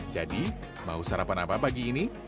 jadi mau sarapan apa pagi ini